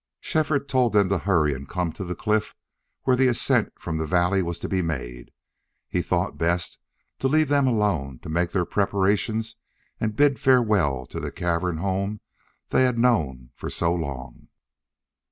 Shefford told them to hurry and come to the cliff where the ascent from the valley was to be made. He thought best to leave them alone to make their preparations and bid farewell to the cavern home they had known for so long.